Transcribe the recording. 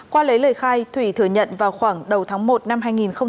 qua lấy lời khai thủy thừa nhận vào khoảng đầu tháng một năm hai nghìn hai mươi